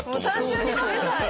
単純に食べたい。